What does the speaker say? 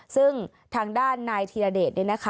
ซึ่งทางด้านนายธีรเดช